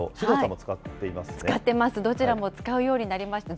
使っています、どちらも使うようになりました。